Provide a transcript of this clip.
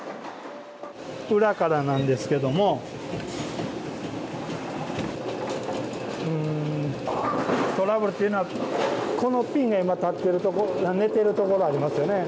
裏からなんですけども、トラブルっていうのは、このピンが今寝ている所ありますよね。